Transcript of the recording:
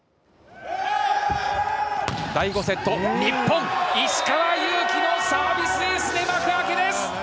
第５セット、日本、石川祐希のサービスエースで幕開けです。